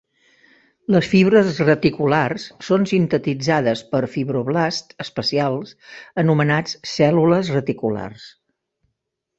Les fibres reticulars són sintetitzades per fibroblasts especials anomenats cèl·lules reticulars.